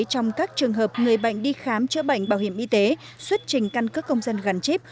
trong các trường hợp người bệnh đi khám chữa bệnh bảo hiểm y tế xuất trình căn cước công dân gắn chip